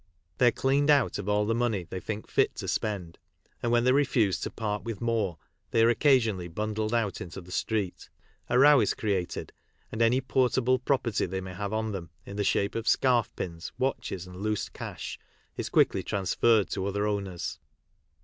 They are " cleaned out " of all the money they think tit to spend, and when they refuse to part with more they are occasionally bundled out into the street, a row is created, and any " portable property "they may have on them, in the shape of scarf pins, watches, and loose cash, is quickly transferred to other owners.